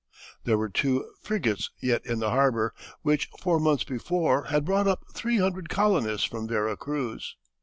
There were two frigates yet in the harbor, which four months before had brought up three hundred colonists from Vera Cruz.